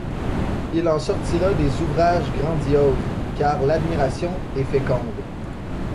Il en sortira des ouvrages grandioses, car l'admiration est féconde.